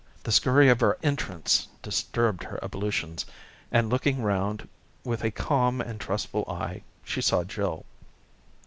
The scurry of our entrance disturbed her ablutions, and looking round with a calm and trustful eye she saw Jill.